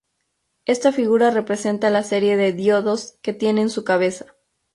Esta figura representa la serie de diodos que tiene en su cabeza.